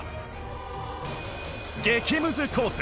激ムズコース